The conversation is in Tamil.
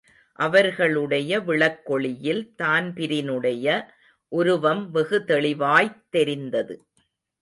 அவர்களுடைய விளக்கொளியில் தான்பிரினுடைய உருவம் வெகு தெளிவாய்த் தெரிந்தது.